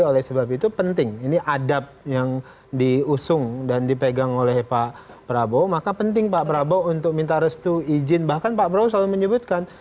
oleh sebab itu penting ini adab yang diusung dan dipegang oleh pak prabowo maka penting pak prabowo untuk minta restu izin bahkan pak prabowo selalu menyebutkan